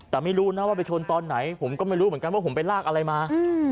แต่ไม่รู้นะว่าไปชนตอนไหนผมก็ไม่รู้เหมือนกันว่าผมไปลากอะไรมา